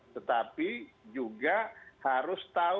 tetapi juga harus tahu